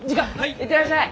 行ってらっしゃい！